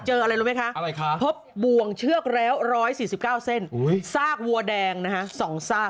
อะไรรู้ไหมคะพบบวงเชือกแล้ว๑๔๙เส้นซากวัวแดงนะฮะ๒ซาก